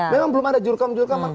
memang belum ada jurkam jurkaman